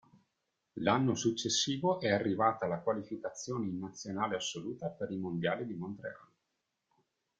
L'anno successivo è arrivata la qualificazione in nazionale assoluta per i mondiali di Montréal.